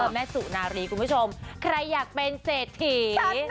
แม่สุนารีคุณผู้ชมใครอยากเป็นเศรษฐี